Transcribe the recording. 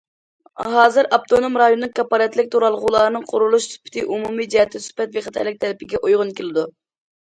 ھازىر ئاپتونوم رايوننىڭ كاپالەتلىك تۇرالغۇلارنىڭ قۇرۇلۇش سۈپىتى ئومۇمىي جەھەتتىن سۈپەت بىخەتەرلىك تەلىپىگە ئۇيغۇن كېلىدۇ.